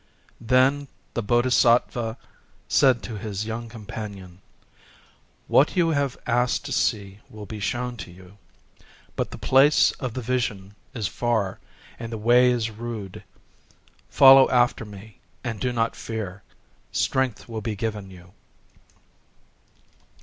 Then the Bodhisattva said to his young companion:—"What you have asked to see will be shown to you. But the place of the Vision is far; and the way is rude. Follow after me, and do not fear: strength will be given you."